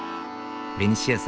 ベニシアさん